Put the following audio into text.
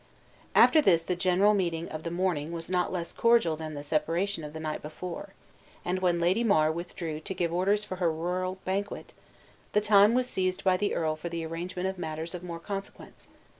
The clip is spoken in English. After this the general meeting of the morning was not less cordial than the separation of the night before; and when Lady Mar withdrew to give orders for her rural banquet, that time was seized by the earl for the arrangement of matters of more consequence.